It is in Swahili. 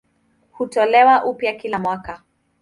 Hutolewa upya kila mwaka.